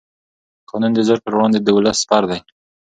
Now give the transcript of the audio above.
قانون د زور پر وړاندې د ولس سپر دی